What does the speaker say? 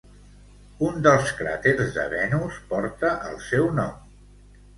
Un dels cràters de Venus porta el seu nom.